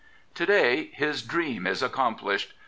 To day his dream is accomplished.